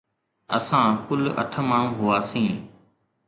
اسان ڪل اٺ ماڻهو هئاسين.